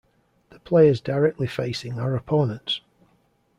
The players directly facing are opponents.